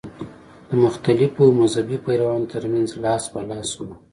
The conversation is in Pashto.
د مختلفو مذهبي پیروانو تر منځ لاس په لاس شوه.